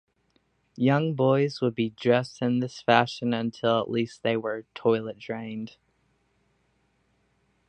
Young boys would be dressed in this fashion until at least they were toilet-trained.